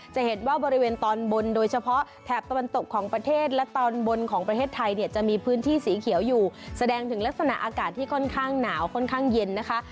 จะเห็นว่าบริเวณตอนบนโดยเฉพาะแถบตะวันตกของประเทศและตอนบนของประเทศไทยเนี่ยจะมีพื้นที่สีเขียวอยู่แสดงถึงลักษณะอากาศที่ค่อนข้างหนาวค่อนข้างเย็นนะคะ